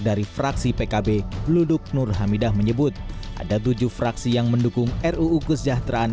dari fraksi pkb luduk nur hamidah menyebut ada tujuh fraksi yang mendukung ruu kesejahteraan